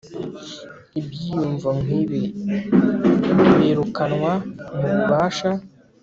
Ibyiyumvo nkibi birukanwa mububasha